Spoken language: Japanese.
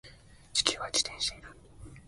地球は自転している